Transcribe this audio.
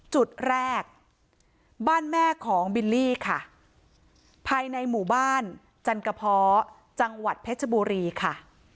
จุดแรกบ้านแม่ของบิลลี่ค่ะภายในหมู่บ้านจันกระเพาะจังหวัดเพชรบุรีค่ะ